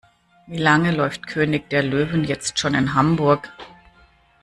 Wie lange läuft König der Löwen jetzt schon in Hamburg?